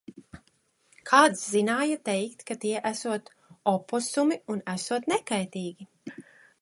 Kāds zināja teikt, ka tie esot oposumi un esot nekaitīgi.